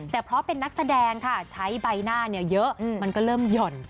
แต่เพราะเป็นนักแสดงค่ะใช้ใบหน้าเยอะมันก็เริ่มหย่อน